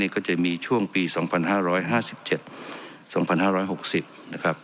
ก็จะมีช่วงปี๒๕๕๗๒๕๖๐นะครับ